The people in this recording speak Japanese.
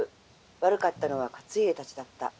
悪かったのは勝家たちだった。